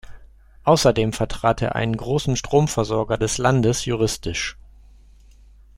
Außerdem vertrat er einen großen Stromversorger des Landes juristisch.